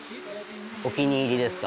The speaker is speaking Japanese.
お気に入りですか？